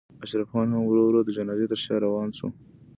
اشرف خان هم ورو ورو د جنازې تر شا روان شو.